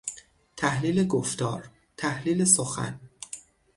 تحلیل گفتار، تحلیل سخن